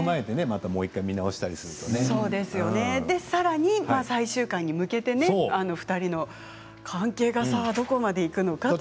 さらに最終回に向けて２人の関係がどこまでいくのかと。